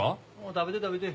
食べて食べて。